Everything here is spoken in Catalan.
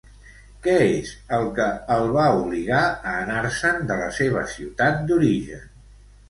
Què és el que el va obligar a anar-se'n de la seva ciutat d'origen?